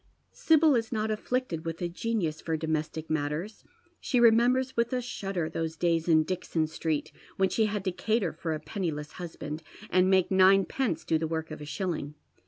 Sibyl is not afflicted with a genius for domestic matters. She remembers with a shudder those days in Dixon Street when she had to cater for a penniless husband, and make ninepence do the Trork of a shilling.